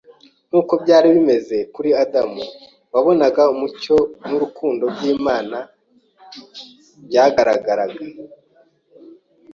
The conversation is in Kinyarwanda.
nk’uko byari bimeze kuri Adamu wabonaga umucyo n’urukundo by’Imana byagaragariraga